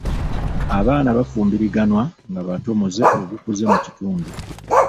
Abaana abafumbiriganwa nga bato muze ogukuze mu kitundu.